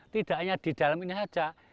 tidak hanya di dalam ini saja